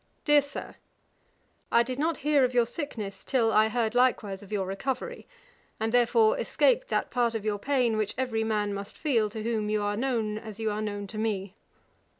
'DEAR SIR, 'I did not hear of your sickness till I heard likewise of your recovery, and therefore escaped that part of your pain, which every man must feel, to whom you are known as you are known to me.